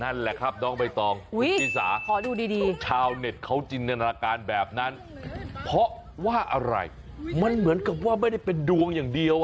นั่นแหละครับน้องใบตองชิสาขอดูดีชาวเน็ตเขาจินตนาการแบบนั้นเพราะว่าอะไรมันเหมือนกับว่าไม่ได้เป็นดวงอย่างเดียว